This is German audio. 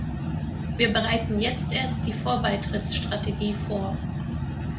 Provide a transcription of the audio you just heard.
Wir bereiten jetzt erst die Vorbeitrittsstrategie vor.